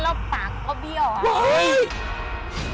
แล้วปากก็เบี้ยวค่ะ